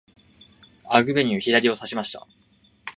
アグベニュー、左をさしました。